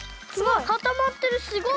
かたまってるすごい！